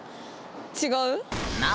違う？